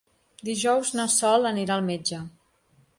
Dijous na Sol anirà al metge.